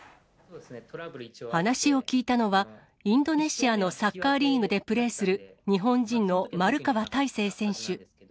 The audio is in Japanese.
話を聞いたのは、インドネシアのサッカーリーグでプレーする日本人の丸川太誠選手。